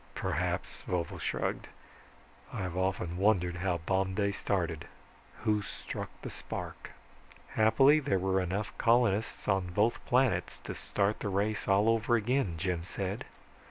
"Perhaps," Vovo shrugged. "I've often wondered how Bomb Day started. Who struck the spark." "Happily there were enough colonists on both planets to start the race all over again," Jim said.